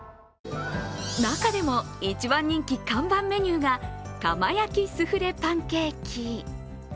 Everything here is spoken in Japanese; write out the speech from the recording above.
中でも一番人気、看板メニューが窯焼きスフレパンケーキ。